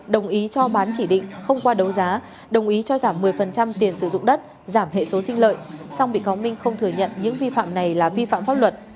đồng ý cho bán chỉ định không qua đấu giá đồng ý cho giảm một mươi tiền sử dụng đất giảm hệ số sinh lợi xong bị cáo minh không thừa nhận những vi phạm này là vi phạm pháp luật